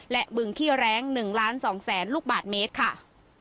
และบึงขี้แร้ง๑๒๐๐๐๐๐ลูกบาทเมตรค่ะ